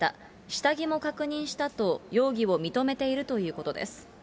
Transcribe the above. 下着も確認したと容疑を認めているということです。